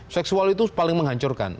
seksual itu paling menghancurkan